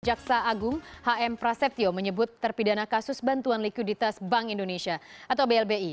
jaksa agung hm prasetyo menyebut terpidana kasus bantuan likuiditas bank indonesia atau blbi